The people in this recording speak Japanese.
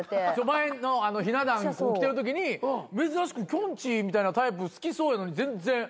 前のひな壇来てるときに珍しくきょんちぃみたいなタイプ好きそうやのに全然。